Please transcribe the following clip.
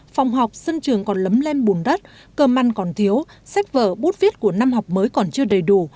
phòng học sân trường còn lấm lên bùn đất cơm ăn còn thiếu sách vở bút viết của năm học mới còn chưa đầy đủ